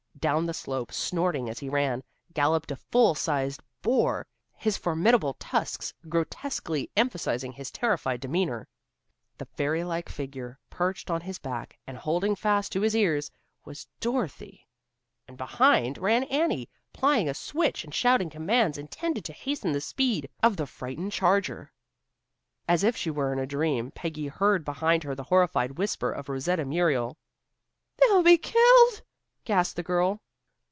Down the slope, snorting as he ran, galloped a full sized boar, his formidable tusks grotesquely emphasizing his terrified demeanor. The fairy like figure perched on his back and holding fast by his ears, was Dorothy. And behind ran Annie, plying a switch and shouting commands intended to hasten the speed of the frightened charger. As if she were in a dream, Peggy heard behind her the horrified whisper of Rosetta Muriel. "They'll be killed!" gasped the girl.